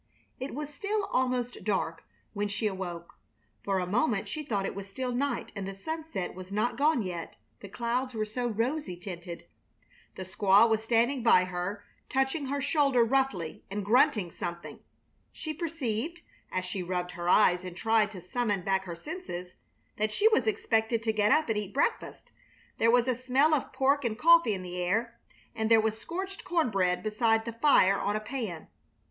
It was still almost dark when she awoke. For a moment she thought it was still night and the sunset was not gone yet, the clouds were so rosy tinted. The squaw was standing by her, touching her shoulder roughly and grunting something. She perceived, as she rubbed her eyes and tried to summon back her senses, that she was expected to get up and eat breakfast. There was a smell of pork and coffee in the air, and there was scorched corn bread beside the fire on a pan.